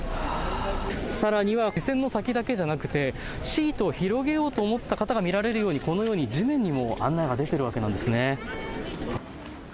さらには目線の先だけではなくてシートを広げようと思った方が見られるようにこのように地面にも案内が出ているわけなんですね。